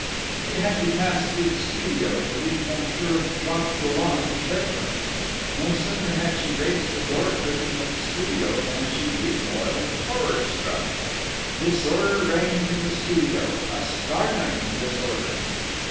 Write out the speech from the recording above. She had to pass through the studio to reach Monsieur Jacques Dollon's bedroom. No sooner had she raised the door curtain of the studio than she recoiled, horrorstruck! Disorder reigned in the studio: a startling disorder!